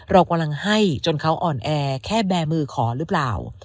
เรากำลังให้จนเขาอ่อนแอแค่แบร์มือขอหรือเปล่า